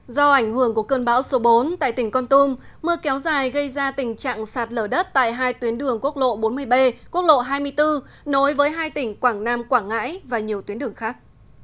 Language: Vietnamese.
do ảnh hưởng của cơn bão số bốn tại tỉnh con tum mưa kéo dài gây ra tình trạng sạt lở đất tại hai tuyến đường quốc lộ bốn mươi b quốc lộ hai mươi bốn nối với hai tỉnh quảng nam quảng ngãi và nhiều tuyến đường khác